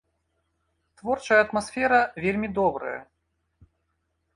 Творчая атмасфера вельмі добрая.